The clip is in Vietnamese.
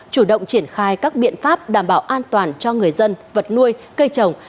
chủ động triển khai các biện pháp đảm bảo an toàn cho người dân vật nuôi cây trồng